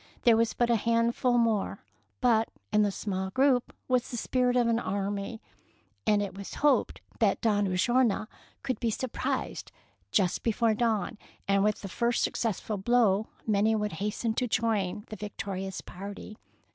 There was but a handful more ; but in the small group was the spirit of an army, and it was hoped that Don Ulloa could be surprised just before dawn, and with the first successful blow many would hasten to join the victorious party.